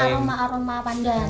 jadi wangi aroma aroma pandan